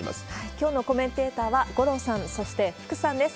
きょうのコメンテーターは、五郎さん、そして福さんです。